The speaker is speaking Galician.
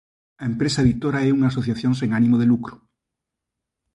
A empresa editora é unha asociación sen ánimo de lucro.